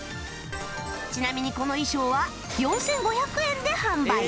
ちなみにこの衣装は４５００円で販売